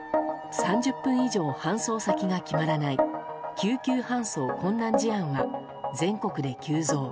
３０分以上、搬送先が決まらない救急搬送困難事案は全国で急増。